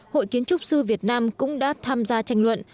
hội kiến trúc sư việt nam cũng đã tham gia tranh luận